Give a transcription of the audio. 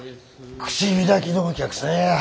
口開きのお客さんや。